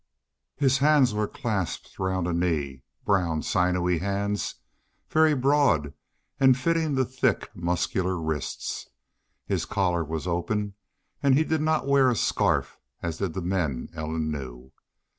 His hands were clasped round a knee brown, sinewy hands, very broad, and fitting the thick muscular wrists. His collar was open, and he did not wear a scarf, as did the men Ellen knew.